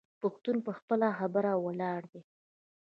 پښتون په خپله خبره ولاړ دی.